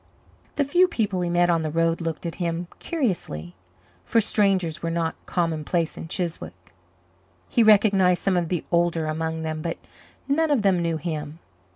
The few people he met on the road looked at him curiously, for strangers were not commonplace in Chiswick. He recognized some of the older among them but none of them knew him.